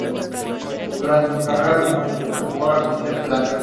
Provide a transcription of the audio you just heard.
Solo se permitiría a los Cuatro Policías poseer armas más potentes que un rifle.